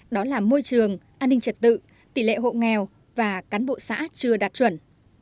đó là môi trường an ninh trật tự tỷ lệ hộ nghèo và cán bộ xã chưa đạt chuẩn